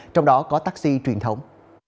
trong đó có taxi truyền thống